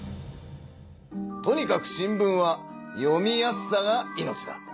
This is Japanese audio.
とにかく新聞は読みやすさが命だ。